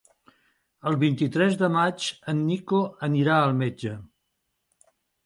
El vint-i-tres de maig en Nico anirà al metge.